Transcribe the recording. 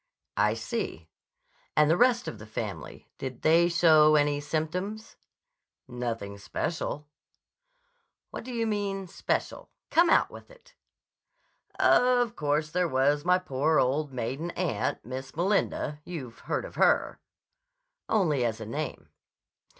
"I see. And the rest of the family; did they show any symptoms?" "Nothing special." "What do you mean, special? Come, out with it!" "Of course there was my poor old maiden aunt, Miss Melinda. You've heard of her?" "Only as a name."